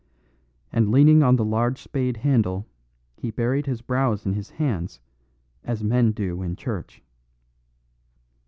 And leaning on the large spade handle, he buried his brows in his hands, as men do in church.